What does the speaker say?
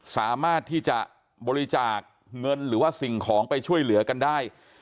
สามารถที่จะบริจาคเงินหรือว่าสิ่งของไปช่วยเหลือกันได้